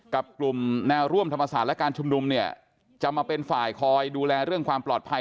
กับกลุ่มแนวร่วมธรรมศาสตร์และการชุมนุมเนี่ยจะมาเป็นฝ่ายคอยดูแลเรื่องความปลอดภัย